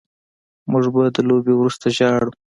موږ به د لوبې وروسته ژاړو